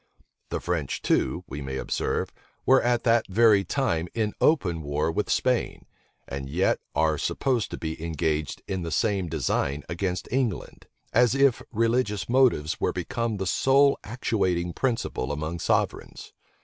The French too, we may observe, were at that very time in open war with Spain, and yet are supposed to be engaged in the same design against England; as if religious motives were become the sole actuating principle among sovereigns.